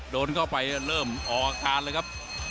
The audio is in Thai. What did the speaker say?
โดนเข้าไปเริ่มออกอาการเลยครับ